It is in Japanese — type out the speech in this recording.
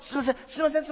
「すいません。